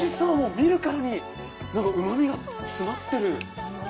見るからにうまみが詰まってる。